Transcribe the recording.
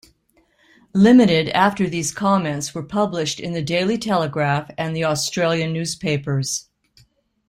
Limited after these comments were published in The Daily Telegraph and The Australian newspapers.